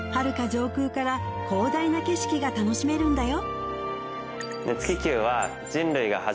上空から広大な景色が楽しめるんだよ